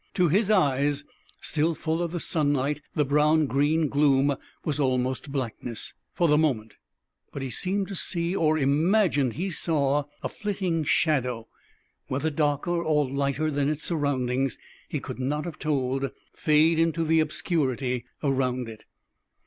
To his eyes, still full of the sunlight, the brown green gloom was almost blackness, for the moment. But he seemed to see, or imagined he saw, a flitting shadow whether darker or lighter than its surroundings he could not have told fade into the obscurity around it.